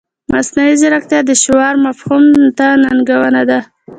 مصنوعي ځیرکتیا د شعور مفهوم ته ننګونه ده.